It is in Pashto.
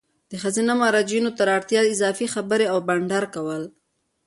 د ښځینه مراجعینو تر اړتیا اضافي خبري او بانډار کول